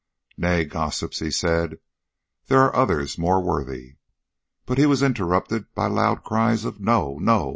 "Nay, gossips," he said, "there are others more worthy " But he was interrupted by loud cries of "No! no!"